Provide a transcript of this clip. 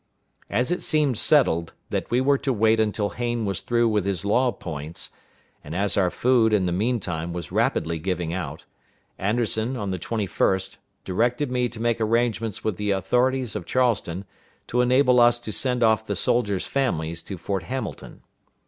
As it seemed settled that we were to wait until Hayne was through with his law points, and as our food, in the mean time, was rapidly giving out, Anderson, on the 21st, directed me to make arrangements with the authorities of Charleston to enable us to send off the soldiers' families to Fort Hamilton.